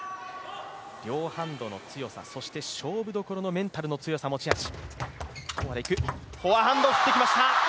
両ハンドの強さ、勝負どころのメンタルの強さが持ち味。